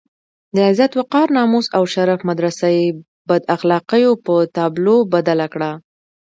د عزت، وقار، ناموس او شرف مدرسه یې بد اخلاقيو په تابلو بدله کړه.